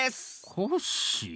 コッシー！